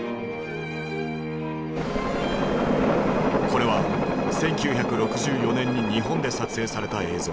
これは１９６４年に日本で撮影された映像。